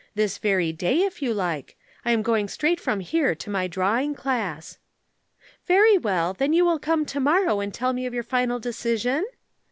This very day, if you like. I am going straight from here to my Drawing Class." "Very well. Then you will come to morrow and tell me your final decision?"